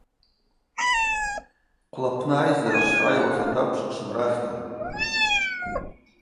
Хъвлапны айззара швшгӏайуаш атӏакӏв швхъшвымраштылын.